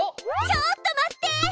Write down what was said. ちょっと待って！